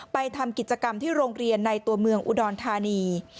ไปทำกิจกรรมที่โรงเรียนในตัวเมืองอุดรธานี